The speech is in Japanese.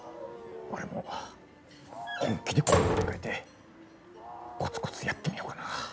俺も本気で心入れ替えてコツコツやってみようかな。